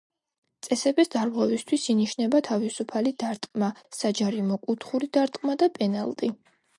წესების დარღვევისათვის ინიშნება თვისუფალი დარტყმა, საჯარიმო კუთხური დარტყმა და პენალტი.